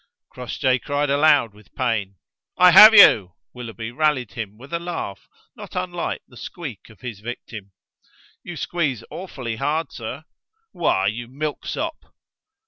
Crossjay cried aloud with pain. "I have you!" Willoughby rallied him with a laugh not unlike the squeak of his victim. "You squeeze awfully hard, sir." "Why, you milksop!"